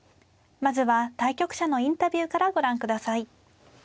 まずは対局者のインタビューからご覧ください。